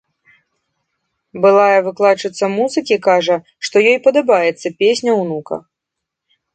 Былая выкладчыца музыкі кажа, што ёй падабаецца песня ўнука.